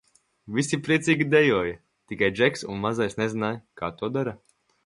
Visi priecīgi dejoja, tikai Džeks un Mazais nezināja kā to dara.